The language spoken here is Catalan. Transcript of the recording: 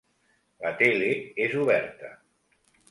La tele és oberta.